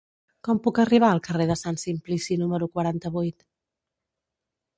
Com puc arribar al carrer de Sant Simplici número quaranta-vuit?